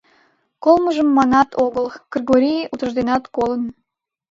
Колмыжым манат гын, Кыргорий утыжденат колын.